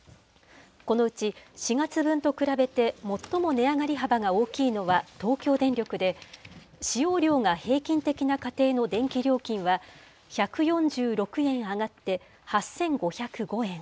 このうち４月分と比べて最も値上がり幅が大きいのは東京電力で、使用量が平均的な家庭の電気料金は１４６円上がって８５０５円。